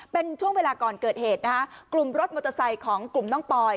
เป็นช่วงเวลาก่อนเกิดเหตุนะคะกลุ่มรถมอเตอร์ไซค์ของกลุ่มน้องปอย